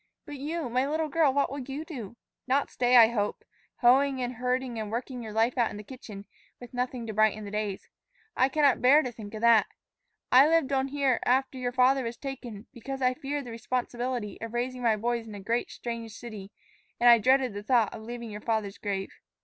But you, my little girl, what will you do? Not stay, I hope, hoeing and herding and working your life out in the kitchen, with nothing to brighten the days. I cannot bear to think of that. I lived on here after your father was taken because I feared the responsibility of raising my boys in a great, strange city; and I dreaded the thought of leaving your father's grave.